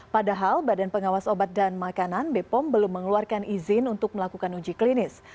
padahal badan pengawas obat dan makanan bepom belum mengeluarkan izin untuk melakukan uji klinis